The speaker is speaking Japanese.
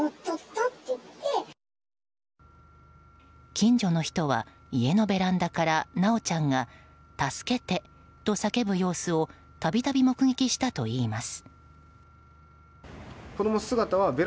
近所の人は、家のベランダから修ちゃんが助けてと叫ぶ様子を度々、目撃したといいます。